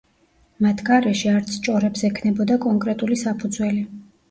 მათ გარეშე, არც ჭორებს ექნებოდა კონკრეტული საფუძველი.